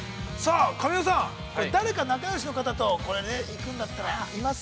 神尾さん、誰か仲よしの方と行くんだったら、います？